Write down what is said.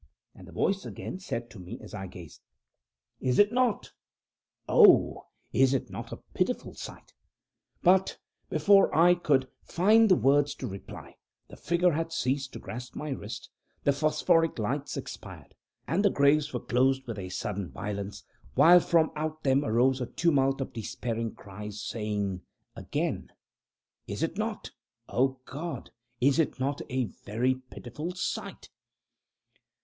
And the voice again said to me as I gazed: "Is it not oh! is it not a pitiful sight?" but, before I could find words to reply, the figure had ceased to grasp my wrist, the phosphoric lights expired, and the graves were closed with a sudden violence, while from out them arose a tumult of despairing cries, saying again: "Is it not O, God, is it not a very pitiful sight?"